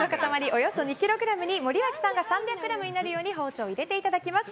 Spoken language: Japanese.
およそ２ｋｇに森脇さんが３００ｇになるように包丁を入れていただきます。